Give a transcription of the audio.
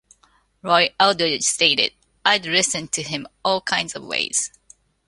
Roy Eldridge stated, I'd listened to him all kinds of ways.